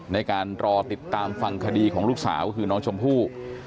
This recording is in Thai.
ในการรอติดตามฟังคดีของลูกสาวคือน้องชมพู่